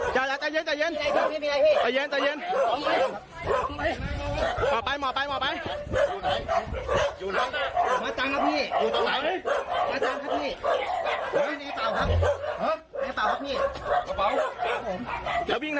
ใครบอกไม่มีใครบอกแต่รู้ได้ไง